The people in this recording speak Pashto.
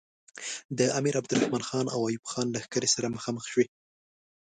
د امیر عبدالرحمن خان او ایوب خان لښکرې سره مخامخ شوې.